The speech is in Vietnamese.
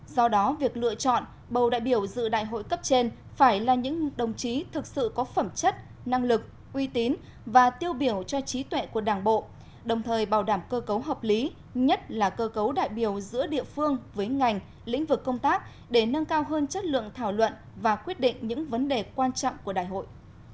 do đó việc lựa chọn bầu đại biểu dự đại hội cấp trên phải là những đồng chí thực sự có phẩm chất năng lực uy tín và tiêu biểu cho trí tuệ của đảng bộ đồng thời bảo đảm cơ cấu hợp lý nhất là cơ cấu đại biểu giữa địa phương với ngành lĩnh vực công tác để nâng cao hơn chất lượng thảo luận và quyết định những vấn đề quan trọng của đại hội